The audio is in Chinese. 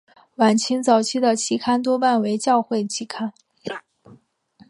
晚清早期的期刊多半是教会期刊。